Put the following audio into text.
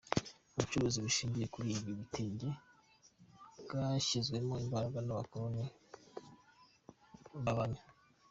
ubucuruzi bushingiye kuri ibi bitenge bwashyizwemmo imbaraga n’abakoroni b’abanya